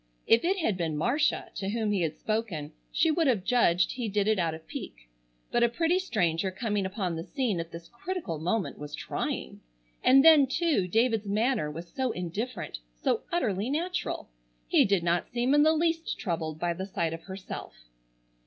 If it had been Marcia to whom he had spoken she would have judged he did it out of pique, but a pretty stranger coming upon the scene at this critical moment was trying. And then, too, David's manner was so indifferent, so utterly natural. He did not seem in the least troubled by the sight of herself.